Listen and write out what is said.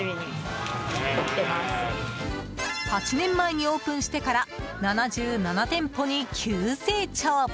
８年前にオープンしてから７７店舗に急成長。